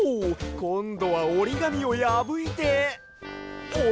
こんどはおりがみをやぶいておりはじめたぞ。